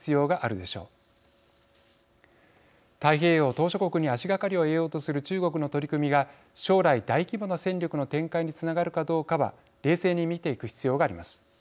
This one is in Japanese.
島しょ国に足がかりを得ようとする中国の取り組みが将来大規模な戦力の展開につながるかどうかは冷静に見ていく必要があります。